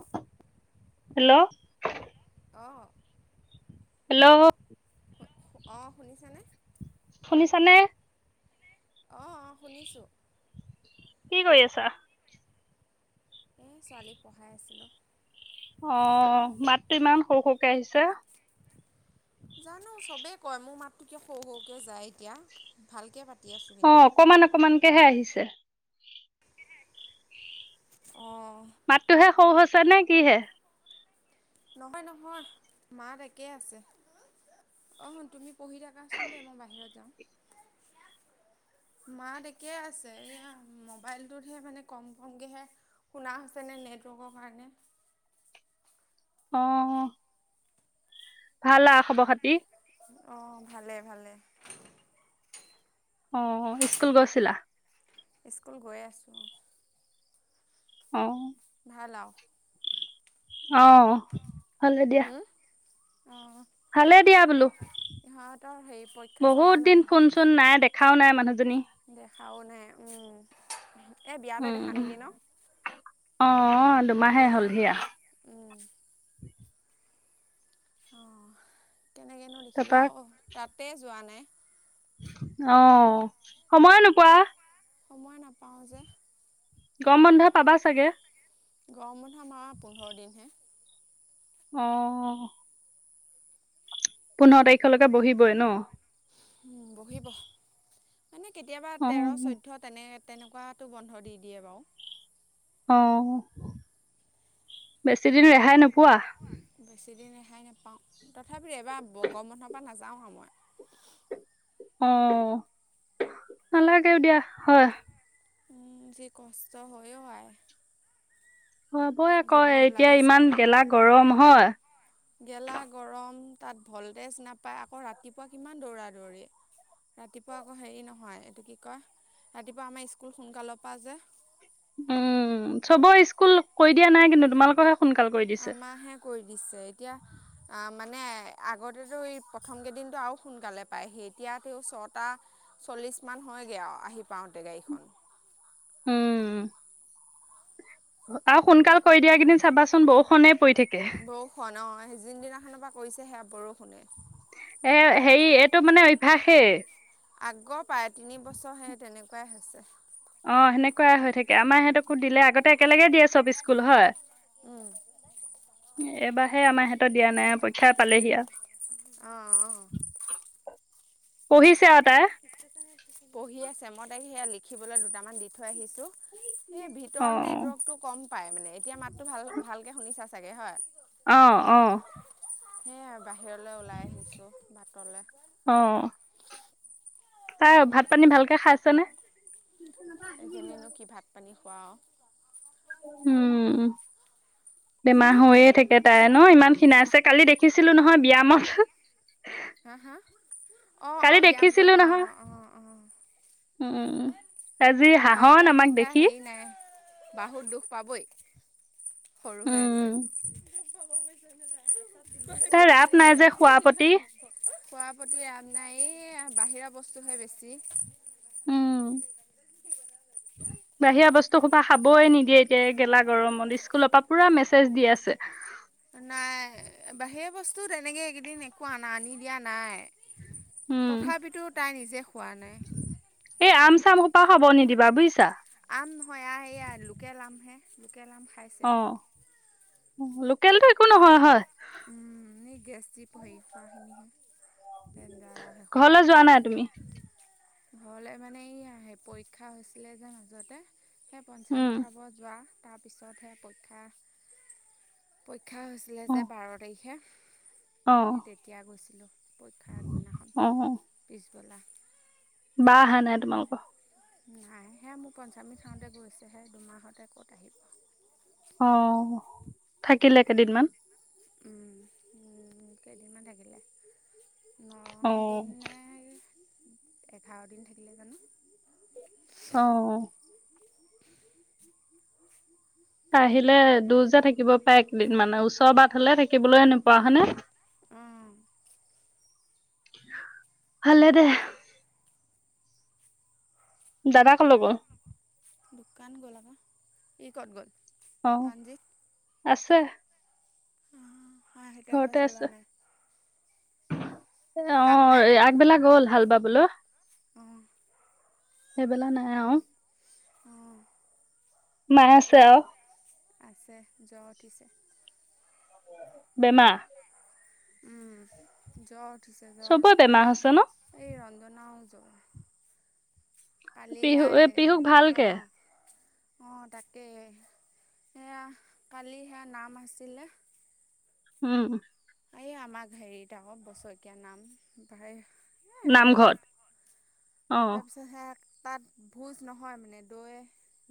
অ', hello অ', hello অ', শুনিছেনে? শুনিছানে? অ অ শুনিছো কি কৰি আছা এ ছোৱালীক পঢ়াই আছিলো অ মাতটো ইমান সৰু সৰুকে আহিছে জানো চবে কয় মোৰ মাততো কিয় সৰু সৰুকে যায় এতিয়া ভালকে পা অ অকমান অকমানকেহে আহিছে অঁ কি হে নহয় নহয় মাত একে আছে অ তুমি পঢ়ি থাকাচোন দেই মই বাহিৰত যাও মাত একেই আছে এইয়া মোবাইলটোতহে মানে কম কমকেহে শুনা হৈছেনেে নেটৱৰ্কৰ কাৰণে অহ ভাল আ খবৰ খাতি অ ভালে ভালে অ স্কুল গৈছিলা স্কুল গৈ আছোঁ অ [unintelligible] অহ ভাল দিয়া অঁ ভালে দিয়া বোলো ইহঁতৰ হেৰি পৰীক্ষা চলা বহুত দিন নাই ফোন চোন নাই দেখা দেখাও নাই দেখাও নাই উম এই বিয়াতে দেখা উম নেকি ন অ দুমাহে বিয়া হ'ল সি আ উম অঁ তেনেকৈনো তাৰপা দেখিবা অ তাতে যোৱা নাই অ সময় নোপোৱা সময় নাপাও যে গম বন্ধ পাবা চাগে গৰম বন্ধ আমাৰ পোন্ধৰ দিনহে অহ পোন্ধৰ তাৰিখলৈকে বহিবই ন উম বহিব মানে কেতিয়াবা তেৰ অ চৈধ্য তেনে তেনেকুৱাতো বন্ধ দি দিয়ে বাৰু অ বেছি দিন ৰেহাই নোপোৱা বেছিদিন ৰেহাই নাপাওঁ তথাপি এবাৰ গৰম বন্ধৰ পৰা নাযাওঁ আৰু মই অ নালাগেও দিয়া হয় উম যি কষ্ট্ত হয় অ আই হবই আকৌ জীৱ এতিয়া ওলাই ইমান যায় গেলা গৰম হয় গেলা গৰম তাত ভল্টেজ নাপায় আকৌ ৰাতিপুৱা কিমান দৌৰা দৌৰি ৰাতিপুৱা আকৌ হেৰি নহয় এইটো কি কয় ৰাতিপুৱা আমাৰ স্কুল সোনকালৰ পৰা যে উম চব স্কুল কৈ দিয়া নাই কিন্তু তোমালোকৰে আমাৰহে কৰি দিছে এতিয়া মানে আগতেতো এই প্ৰথম কেইদিনটো আৰু সোনকালে পায়হি এতিয়াাত ছটা চল্লিছ মান হয়গৈ আৰু আহি পাওঁতে গাড়ীখন উম। আৰু সোনকাল কৰি দিয়া কেইদিন চাবাচোন বৰষুণে পৰি থাকে [unintelligible] যিনদিনাখনৰ পৰা কৰিছে সেয়া বৰষুণে এ হেৰি এইটো মানে অভ্যাসেই। আগৰ পায় তিনি বছৰ সে তেনেকুৱাই হৈছে। অ', সেনেকুৱাই হৈ থাকে আমাৰ সিহঁতকো দিলে আগতে একেলগে বে চব স্কুল হয়। উম এবাৰহে আমাৰ সিহঁত দিয়া নাই পৰীক্ষাই পালেহি আও। অহ, অহ। পঢ়িছে আৰু তাই পঢ়ি আছে, মই তাকে সেয়া লিখ খিবলৈ দুটামান দি থৈ আহিছোঁ। এ অ ভিতৰত নেটৱৰ্কটো কম পাই মানে এতিয়া মাতো ভাল-ভালকে শুনি চাই চাগে হয়। অ', অ'। সেয়া বাহিৰলৈ ওলাই আহিছোঁ বাটলে। অ তাই ভাত পানী ভালকে খাইছেনে? এজনীনো কি ভাত পানী কোৱাও। উম, বেমাৰ হৈয়ে থাকে তাই ন' ইমান ক্ষীনাইছে কালি দেখিছিলো নহয় বিয়ামত। হা, হা? অ', অ', ব্যায়াম কৰোঁ দেখিছিলো নহয় অ', অ', অ', উম আজি ভাত হাঁহন পানী আমাক তা দেখি হেৰি নাই। বাহুত দুখ পাবই। সৰু হৈ আছে। উম [unintelligible] তাই ৰাপ খোৱাৰ নাই যে খোৱাৰ প্ৰতি ৰাপ নাই, এয়া বাহিৰা বস্তুহে বেছি। উম বাহিৰা বস্তু হোপা খাবয়ে নিদিয়ে এতিয়া গেলা গৰমত, স্কুলৰ পৰা পুৰা মেছেজ দি আছে। নাই, বাহিৰা বস্তু তেনেকে এইকেইদিন একো আনা, আনি দিয়া নাই। উম তথাপিতো তাই নিজে [unintelligible] খোৱা নাই। এই, আম চাম সোপা খাব নিদিবা বুইছা। [inaudible] এলাৰ্ম খাইছে। অ লোকেলটো একো নহয়, হয়। এই গেছ যি হেৰি খোৱাখিনিহে ডেঞ্জাৰ আৰু ঘৰলৈ যোৱা নাই তুমি? ঘৰলৈ মানে এই, পৰীক্ষা হৈছিলে যে মাজতে। সেই উম পঞ্চামী খাব যোৱা। তাৰপিছতহে পৰীক্ষা দো হৈছিলে অ যে আহ! অ স তেতিয়া গৈছিলো পৰীক্ষা দিনাখন অ পি তোলা বা নাই তোমালোকৰ নাইহে মোৰ পঞ্চমী থাওঁতে গৈছেহে দুমাহতে ক'ত আহিব অ থাকিলে কেইদিনমান উম! থাকিলে, ন দিন অম! ! নে এঘাৰ দিন থাকিলে জানো! আহ! আহিলে দূৰ যে থাকিব পাৰে এক কেইদিন মানে ওচৰৰাট হলে থাকিবলৈ এনেকোৱা হয়নে, অঁ ভালে দে, দাদাক লগ দোকান গ'ল আপা ই ক'ত গ'ল অ পঞ্জেত আছে, উম! হা সেইটো একটা ঘৰতে চলোৱা আছে নাই। এ অ কাম নাই ট্ৰেক্টৰ আগবেলা গল হাল বা বোলো। অঁ সেইবেলা নাই অ আহ! মেছে আছে যোৱা উঠিছে। বেমা উম য চবৰে বেমাৰ আছে ন ব নওঁ য কালি পিহু এই সে পিহুক ভালকে আহ অ তাকেই সেয়া কালি সেয়া নাম আছিলে। উম! এই আমাক হেৰিতক বছৰেকীয়া নাম প্ৰায় এই নামঘৰত অ নামঘৰত তাৰপিছত সে তাত ভোজ নহয় মানে দৈ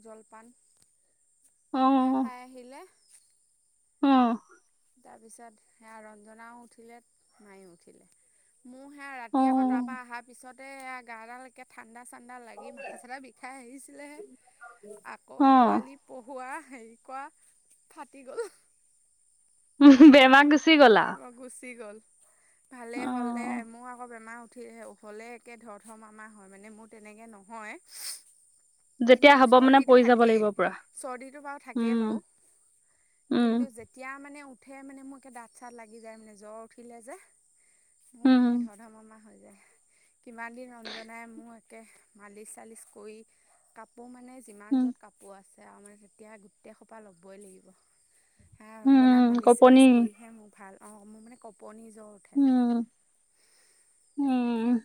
জলপান অ হে খাই আহিলে। অ' তাৰপিছত সেয়া ৰঞ্জনাওঁ উঠিলে, মায়েওঁ উঠিলে। মোৰ সেয়া অ ৰাতি আকৌ তাৰপা আহাৰ পিছত [unintelligible] গাডালেকে ঠাণ্ডা ঠাণ্ডা লাগি মাথা চাথা বিষাই আহিছিলেহে, আকৌ অ পোৱালি পঢ়ুৱা হেৰি কৰা ফাটি গ'ল। [unintelligible] [unintelligible] গুচি গ'ল। ভালে অ হ'লে, এ মোৰ আকৌ বেমাৰ [unintelligible] হলে একে ধৰ-ধৰ মাৰ-মাৰ হয়, মানে মোৰ তেনেকে নহয় কিন্তু যেতিয়া মোৰ হব মানে চৰ্দিটো পৰি যাব থাকেই, লাগিব পুৰা চৰ্দিটো বাৰু থাকেই উম বাৰু, উম কিন্তু যেতিয়া মানে সে মানে মো দাঁত চাত লাগি যায় মানে, জ্বৰ উঠিলে যে মোৰ মানে উম একে ধৰ-ধৰ, মাৰ-মাৰ হৈ যায়। কিমান দিন ৰঞ্জনাই মোক একে মালিচ চালিচ কৰি, কাপ কাপোৰ মানে যিমান উম য'ত কাপোৰ আছে [unintelligible] তেতিয়া গোটেই সোপা ল'বই লাগিব। আহ, উম, ৰঞ্জনা মালিছ কপনি। চালিছ মোৰ ভাল, অ', মোৰ মানে ক কঁপনি জ্বৰ উঠে। উম। উম,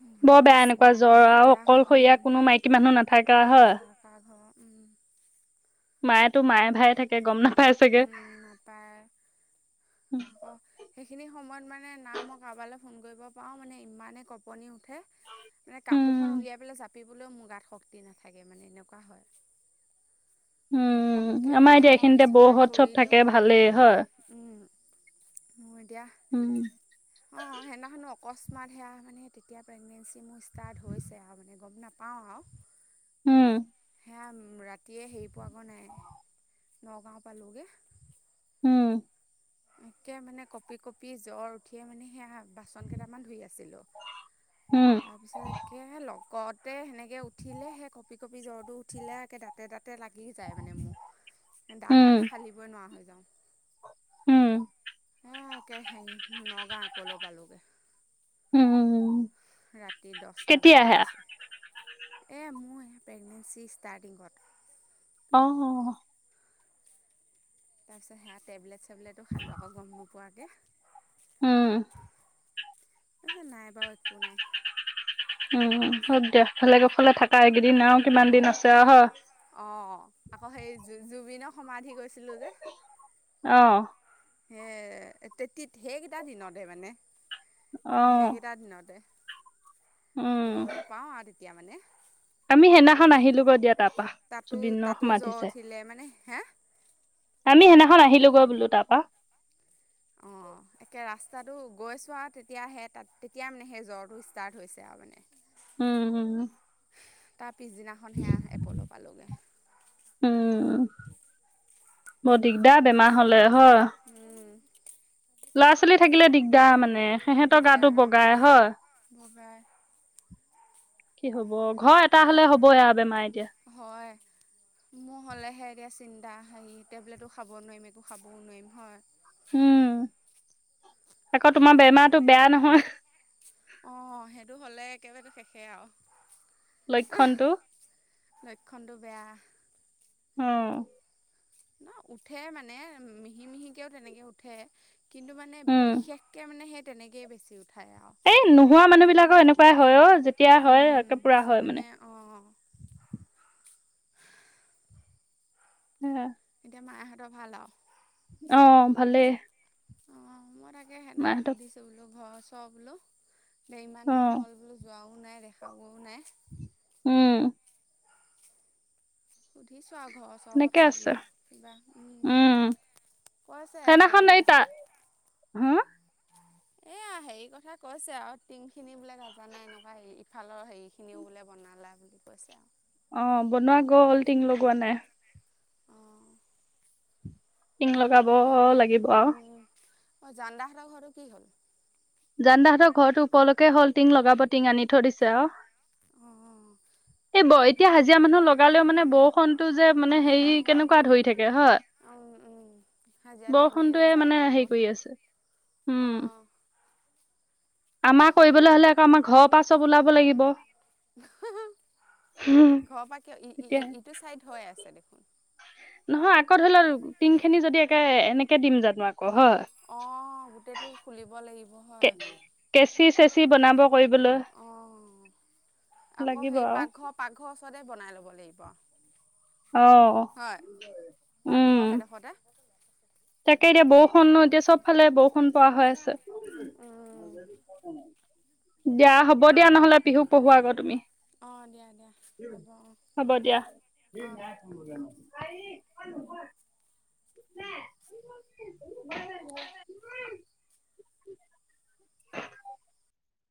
মই বোলো বৰ বেয়া কৃষ্ণ এনেকুৱা জ্বৰ আৰু এতিয়া অকলশৰীয়া, কোনো মাইকী মানুহ নাথাকে হয়। নথকা ঘৰ মায়েতো মায়ে ভায়ে থাকে থাকে, গম নাপাই চাগে। অ', সেইখিনি সময়ত মানে না মই কাৰোবালৈ ফোন কৰিব পাওঁ, মানে ইমানে কপনি উঠে মানে কাপোৰখন উম, উলিয়াই পেলাই জাপ পিবলৈও মোৰ গাত শক্তি নাথাকে মানে, এনেকুৱা হয়। ঘপকে উম, আমাৰ মানে এতিয়া মই এইখিনিতে বিচনাত বৌহত চব পৰি দিওঁ। থাকে ভালেই হয়। উম। মোৰ এতিয়া, উম, অ', সেইদিনাখনো অকস্ম মান সেয়া মানে তেতিয়া প্ৰেগনেঞ্চি মোৰ ষ্টাৰ্ট হৈছে আৰু মান, গম নাপাওঁ আৰু উম। সেয়াম ৰাতিয়ে হেই পোৱা গৈ নাই নগাওঁ পালোঁ গে। উম। একে মানে কঁপি-কঁপি জ্বৰ উঠিয়ে মানে সেয়া বাচন কেইটামান ধুই আছিলোঁ, উম, তাৰপিছত একে লগত দে সেনেকে। এ উঠিলে সেই কপি-কপি জ্বৰটো উঠিলে একে দাতে-দাতে লাগি যায় মানে মোৰ দাঁত মানে ফালিবই নোৱাৰা হৈ যাওঁ। উম, এয়া একে হেৰি নগাঁৱ এপল' পালোগে। উম, উম। ৰাতি দছটা কেতিয়া বজাত আহে? আহিছো। এ মোৰ প্ৰেগনেঞ্চি ষ্টাৰ্টিঙত। অহ-অহ, তাৰপিছত হেয়া তেবলেট, তেবলেতো খালোঁ আকৌ গম নোপোৱাকে। উম', এ নাই বাৰু একো নাই। উম, হেই দেখলে-দেখলে থাকা এইকেইদিন আৰু কিমান দিন আছে হয়। অ', আকৌ সেই জু-জুবিনৰ সমাধি গৈছিলো যে। অ', সে তেতিত সেইকেইটা দিনতে মানে। অ', সেইকেইটা দিনতে। এ উম। গম নাপাও আ এতিয়া মানে। আমি সেইদিনাখন আহিলোগৈ দিয়া তাৰপাৰা জুবিনৰ সমাধি চাই। হা', আমি সেইদিনাখন আহিলোগৈ তাৰপা। অ', একে ৰাস্তাটো গৈছোৱা তেতিয়াহে তাত তেতিয়া মানে সেই জ্বৰটো ষ্টাৰ্ট হৈছে আৰু মানে। উম উম তাৰ পিছদিনাখন সেয়া এপল' পালোগে উম বৰ দিগদাৰ বেমাৰ হলে। হয়। ল'ৰা ছোৱালী থাকিলে দিগদাৰ মানে সিহতৰ গাটো দিগদাৰ বগাই অঁ হয় বগাই কি হব। ব [unintelligible] ঘৰ এটা হ'লে আকৌ হ'ব এয়া বেমাৰ এতিয়া। হয় মোৰ হ'লেহে এতিয়া চিন্তা হেৰি টেবলেটো খাব নোৱাৰিম একো খাবও নোৱাৰিম হয়। উম, আকৌ তোমাৰ বেমাৰতটো বেয়া নহয়। অ' সেইটো হলে একেবাৰেো শেষে আৰু। লক্ষণটো। লক্ষণটো বেয়া। অহ, ন' উঠে মানে মিহি-মিহিকেও তেনেকে উঠে। কিন্তু মানে উম বিশেষকৈ মানে সেই তেনেকেই বেছিউঠে। এই নোহোৱা মানুহ বিলাকৰ এনেকুৱাই হয় অ', যেতিয়া হয় একে পুৰা উম হয় মানে। অঁ হেয়া এতিয়া মায়হঁতৰ ভাল আৰু? অ', ভালেই। এ সেইদিনাখন মাহঁতক সুধিছো বোলো ঘৰত চব ন? এ, ইমান অ দিন হ'ল বোলো যোৱাও নাই দেখা গ উম। সুধিছোৱা ঘৰৰ ওচৰৰ সেনেকে কথা আছে বোলো। কিবা উম, কৈছে হে সেইদিনাখন এই তা হা এয়া হেৰি কথা কৈছে আৰু টিং খিনি বোলে গাজা নাই এনেকুৱা। হে, ইফালৰ হেৰি খিনিও বোলে বনালা বুলি কৈছে আৰু। অ, বনোৱা গ'ল। টিং লগোৱা নাই। অঁ টিং দেখা লগাব গৈহে নাই। লাগিব আৰু উম'। অ, জানদাহতৰ ঘৰটো কি হ'ল? জানদাহঁতৰ ঘৰটো ওপৰলৈকে হ'ল টিং লগাব টিং আনি থৈ দিছে আৰু। অঁ এইব, এতিয়া অঁ হাজিৰা মানুহ লগালেও মানে বৰষুণ টো যে মানে হেৰি কেনেকুৱা ধৰি থাকে হয়। অঁ অঁ হাজিৰাটো এনেই এনেই বৰষুণটয়ে মানে যায়গৈ আকৌ হেৰি কৰি আছে। উম'। অঁ আমাৰ কৰিবলৈ হলে আকৌ আমাৰ ঘৰৰ পৰা চব ওলাব লাগিব ঘৰৰ পৰা কিয় তেতিয়াহে ইটো চাইদ হৈ আছে দেখোন নহয় আকৌ ধৰি ল, টিং খিনি যদি একে এনেকে দিম জানো আ অঁহ, গোটেইটো খুলিব লাগিব কে হয়। কেঁচি চেচি বনাব কৰিবলৈ অ', আকৌ লাগিব সেই আৰু পাকঘৰ-পাকঘৰ ওচৰতে বনাই ল'ব লাগিব। বহ অ', পাকঘৰ উম। সেইডোখৰতে তাকে এতিয়া বৰষুণো, এতিয়া চব ফালে বৰষুন পৰা হৈ আছে। উম। দিয়া, হ'ব দিয়া নহ'লে, পিহুক পঢ়োৱা গৈ তুমি। অঁ দিয়া দিয়া হ'ব অঁ হ'ব দিয়া। অঁ